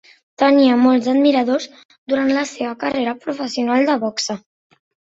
Tenia molts admiradors durant la seva carrera professional de boxe.